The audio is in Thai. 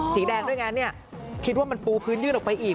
สีแดงด้วยไงเนี่ยคิดว่ามันปูพื้นยื่นออกไปอีก